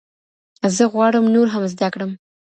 زه غواړم نور هم زده کړم.